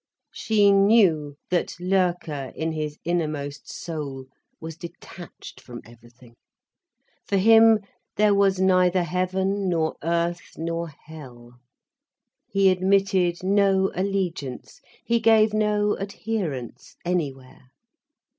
She knew that Loerke, in his innermost soul, was detached from everything, for him there was neither heaven nor earth nor hell. He admitted no allegiance, he gave no adherence anywhere.